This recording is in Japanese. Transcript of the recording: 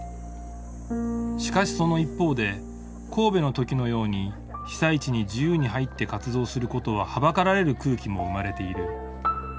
しかしその一方で神戸の時のように被災地に自由に入って活動することははばかられる空気も生まれている。